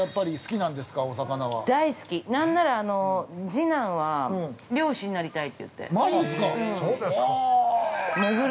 なんなら次男は漁師になりたいって言ってる。